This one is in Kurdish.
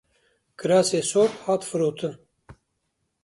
Kirasê sor hat firotin.